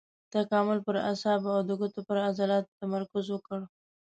تکامل پر اعصابو او د ګوتو پر عضلاتو تمرکز وکړ.